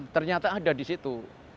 ternyata ada di situ